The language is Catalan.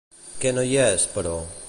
Què no hi és, però?